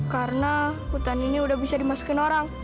karena hutan ini udah bisa dimasukin orang